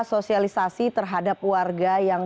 sosialisasi terhadap warga yang